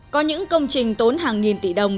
có những công trình tốn hàng nghìn tỷ đồng